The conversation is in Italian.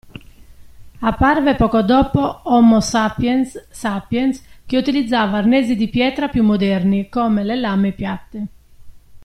Apparve poco dopo Homo Sapiens Sapiens che utilizzava arnesi di pietra più moderni come le lame piatte.